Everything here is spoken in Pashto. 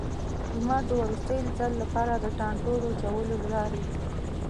لمر د وروستي ځل لپاره، د ټانټو د چولو له لارې.